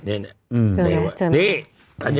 นะนั้นนะนั้นคือนั้นไง